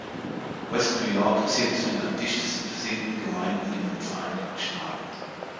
West New York zählt zu den am dichtesten besiedelten Gemeinden in den Vereinigten Staaten.